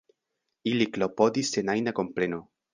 Ili klopodis sen ajna kompreno.